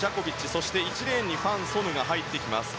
そして１レーンにファン・ソヌが入ってきます。